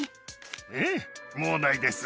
ええ、もうないです。